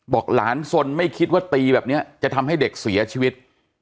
บอกหลานสนไม่คิดว่าตีแบบนี้จะทำให้เด็กเสียชีวิต